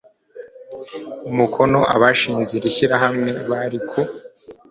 umukono Abashinze iri shyirahamwe bari ku